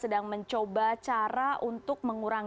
sedang mencoba cara untuk